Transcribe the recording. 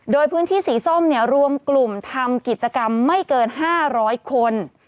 โดยพื้นที่สีส้มเนี่ยรวมกลุ่มทำกิจกรรมไม่เกิน๕๐๐คน